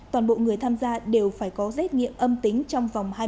toàn bộ người tham gia đều phải có giết nghiệm âm tính trong vòng hai mươi bốn h